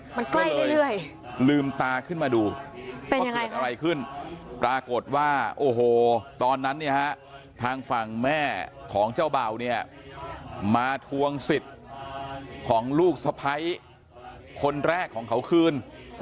มันใกล้เรื่อยลืมตาขึ้นมาดูเป็นยังไงขึ้นปรากฏว่าโอ้โหตอนนั้นทางฟังแม่ของเจ้าเบามาทวงสิทธิ์ของลูกสะพ้ายคนแรกของเขาคืน